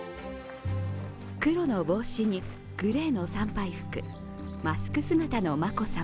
黒の帽子にグレーの参拝服、マスク姿の眞子さま。